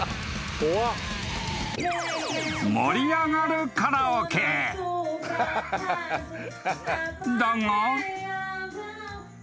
［盛り上がるカラオケ］［だが］